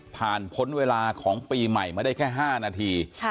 พ้นเวลาของปีใหม่มาได้แค่๕นาที